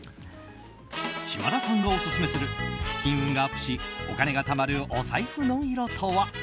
島田さんがオススメする金運がアップしお金がたまる財布の色とは？